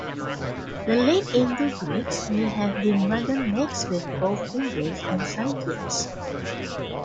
The late Indo-Greeks may have been rather mixed with both Indians and Scythians.